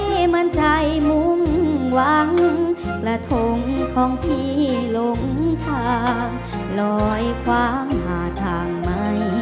หลงใจมุ่งหวังกระทงของพี่หลงใจมุ่งหวังกระทงของพี่หลงใ